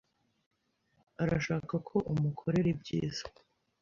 arashaka ko umukorera ibyiza.